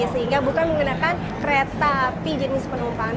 sehingga bukan menggunakan kereta api jenis penumpang